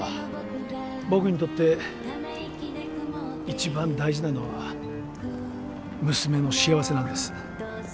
僕にとって一番大事なのは娘の幸せなんです。